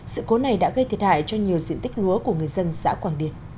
sự cố này đã gây thiệt hại cho nhiều diện tích lúa của người dân xã quảng điền